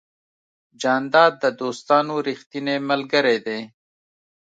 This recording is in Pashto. جانداد د دوستانو ریښتینی ملګری دی.